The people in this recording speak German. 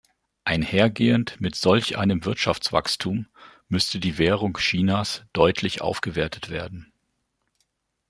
Einhergehend mit solch einem Wirtschaftswachstum müsste die Währung Chinas deutlich aufgewertet werden.